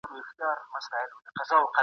تاسو باید د ذمي حقونه تر پښو لاندي نکړئ.